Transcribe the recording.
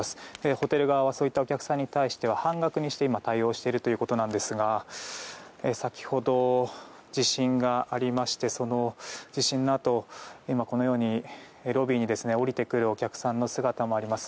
ホテル側はそうしたお客さんに対しては半額にして対応しているということなんですが先ほど、地震がありましてその地震のあとこのようにロビーに下りてくるお客さんの姿もあります。